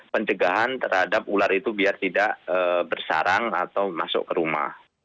pencegahan terhadap ular itu biar tidak bersarang atau masuk ke rumah